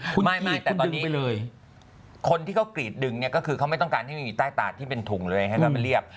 คุณกรีดคุณดึงไปเลยคนที่เขากรีดดึงเนี่ยก็คือเขาไม่ต้องการที่มีใต้ตาที่เป็นถุงเลยให้เขาไปเรียบ